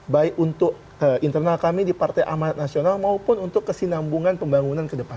baik untuk internal kami di partai amanat nasional maupun untuk kesinambungan pembangunan ke depan